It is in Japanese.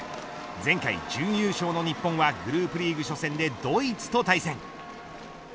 前回準優勝の日本はグループリーグ初戦でドイツと対戦。